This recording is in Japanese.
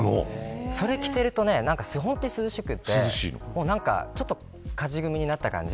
それを着ていると本当に涼しくてちょっと、勝ち組になった感じ。